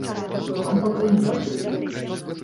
Сезон пакуль не адкрыты.